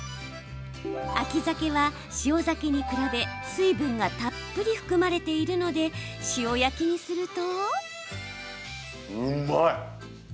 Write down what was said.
秋ザケは塩ザケに比べ水分がたっぷり含まれているので塩焼きにすると。